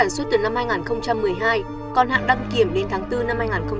suốt tuần năm hai nghìn một mươi hai con hạng đăng kiểm đến tháng bốn năm hai nghìn hai mươi bốn